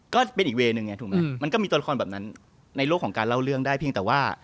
ก็เป็นอีกเวย์หนึ่งไงถูกไหมมันก็มีตัวละครแบบนั้นในโลกของการเล่าเรื่องได้เพียงแต่ว่า